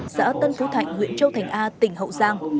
xã tân phú thạnh huyện châu thành a tỉnh hậu giang